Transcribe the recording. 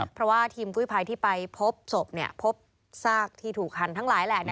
เพราะว่าทีมกู้ภัยที่ไปพบศพพบซากที่ถูกหันทั้งหลายแหละ